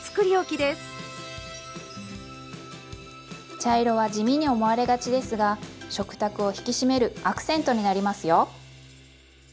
茶色は地味に思われがちですが食卓を引き締めるアクセントになりますよ。